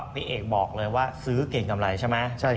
พี่เอกบอกเลยว่าซื้อเก่งกำไรใช่ไหม